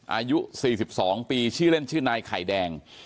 อายุ๔๒ปีชื่อเล่นชื่อนายไข่แดง